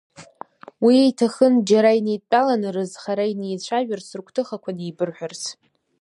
Уи иҭахын џьара инеидтәаланы, рызхара инеицәажәарц, рыгәҭыхақәа неибырҳәарц.